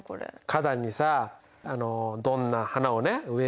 花壇にさどんな花を植えようか。